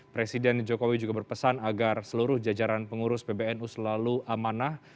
presiden jokowi juga berpesan agar seluruh jajaran pengurus pbnu selalu amanah